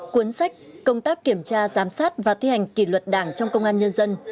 cuốn sách công tác kiểm tra giám sát và thi hành kỷ luật đảng trong công an nhân dân